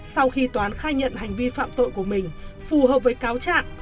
sau khi toán khai nhận hành vi phạm tội của mình phù hợp với cáo trạng